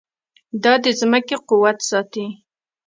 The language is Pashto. دا د ځمکې قوت ساتي.